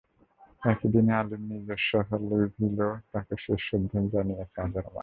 একই দিনে আলীর নিজের শহর লুইভিলেও তাঁকে শেষ শ্রদ্ধা জানিয়েছে হাজারো মানুষ।